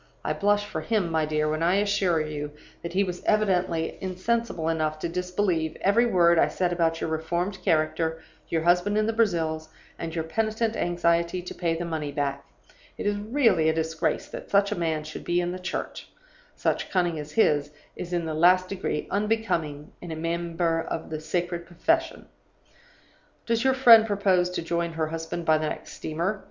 I blush for him, my dear, when I assure you that he was evidently insensible enough to disbelieve every word I said about your reformed character, your husband in the Brazils, and your penitent anxiety to pay the money back. It is really a disgrace that such a man should be in the Church; such cunning as his is in the last degree unbecoming in a member of a sacred profession. "'Does your friend propose to join her husband by the next steamer?